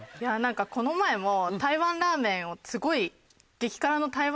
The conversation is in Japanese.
この前も台湾ラーメンをすごい。